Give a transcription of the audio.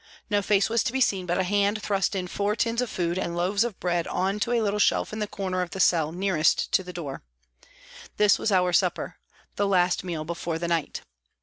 No face was to be seen, but a hand thrust in four tins of food and loaves of bread on to a little shelf in the corner of the cell nearest to the door. This was our supper the last meal before the night.